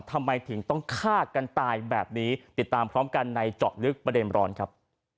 ทำไมถึงต้องฆ่ากันตายแบบนี้ติดตามพร้อมกันในเจาะลึกประเด็นร้อนครับ